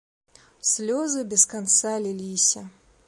Слёзы без канца ліліся.